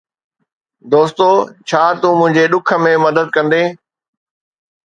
دوستو، ڇا تون منهنجي ڏک ۾ مدد ڪندين؟